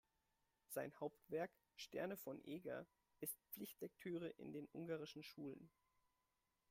Sein Hauptwerk, "Sterne von Eger", ist Pflichtlektüre in den ungarischen Schulen.